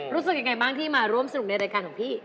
รู้สึกยังไงบ้างที่มาร่วมสนุกในรายการของพี่